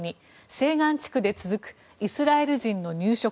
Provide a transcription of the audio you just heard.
西岸地区で続くイスラエル人の入植。